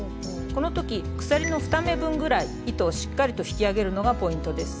この時鎖の２目分ぐらい糸をしっかりと引き上げるのがポイントです。